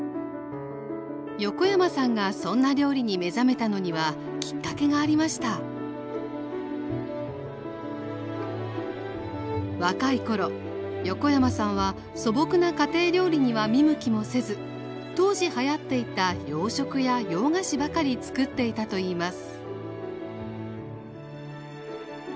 横山さんがそんな料理に目覚めたのにはきっかけがありました若い頃横山さんは素朴な家庭料理には見向きもせず当時はやっていた洋食や洋菓子ばかりつくっていたといいます